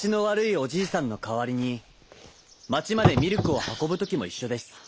おじいさんのかわりにまちまでミルクをはこぶときもいっしょです。